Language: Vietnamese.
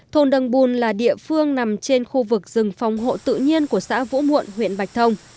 thôn đầng bùn là địa phương nằm trên khu vực rừng phòng hộ tự nhiên của xã vũ muộn huyện bạch thông